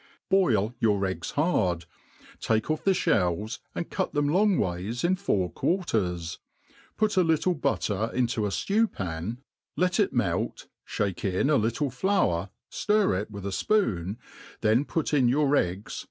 BOIL your eggs hard, take off the fhells and cut them long ways in four quarters, put a little butter'into a fiew pan, let it melt, MADE. PLAIN AND E^ASY. aos melt, fliake in a little fiour^ ftir it with a fpOon* then put itk your eggs